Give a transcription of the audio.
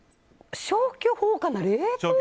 消去法かなと。